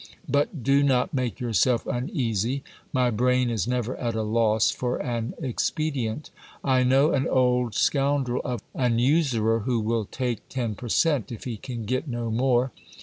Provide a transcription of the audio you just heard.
But do not make yourself uneasy, my brain is never at a loss for an expedient. I know an old scoundrel of an usurer, who will take ten per cent, if he can get no more.